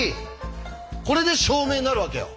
これで証明になるわけよ。